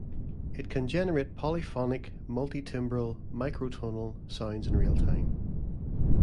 It can generate polyphonic, multitimbral, microtonal sounds in realtime.